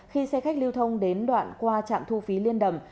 khi xe khách lưu thông đến đoạn qua trạm thu phí liên đầm